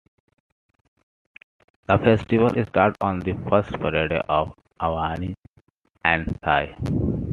The festival starts on the first Friday of Avani and Thai.